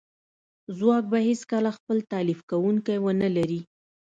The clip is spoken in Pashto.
ځواک به هیڅکله خپل تالیف کونکی ونه لري